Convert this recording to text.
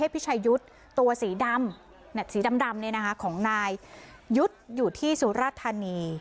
พิชายุทธ์ตัวสีดำเนี้ยสีดำดำเนี้ยนะคะของนายยุทธ์อยู่ที่สุรธนีย์